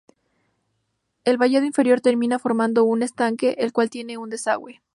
El vallado inferior termina formando un estanque el cual tiene un desagüe.